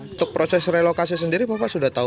untuk proses relokasi sendiri bapak sudah tahu